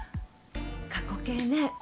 過去形ね。